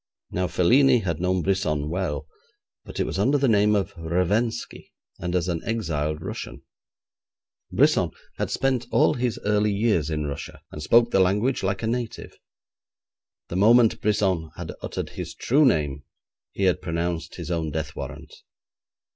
Now Felini had known Brisson well, but it was under the name of Revensky, and as an exiled Russian. Brisson had spent all his early years in Russia, and spoke the language like a native. The moment Brisson had uttered his true name he had pronounced his own death warrant.